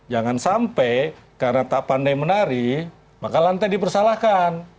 jangan sampai karena tak pandai menari maka lantai dipersalahkan